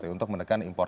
untuk menekan impor